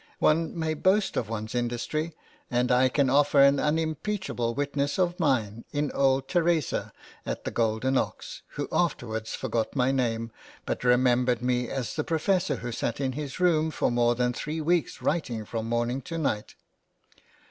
One may boast of one's industry, and I can offer an unimpeachable witness of mine in old Theresa at the Golden Ox, who afterwards forgot my name, but remembered me as the professor who sat in his room for more than three weeks writing from morning to night.